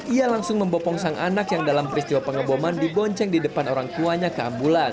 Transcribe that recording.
ia langsung membopong sang anak yang dalam peristiwa pengeboman dibonceng di depan orang tuanya ke ambulan